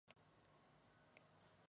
Regina de Miguel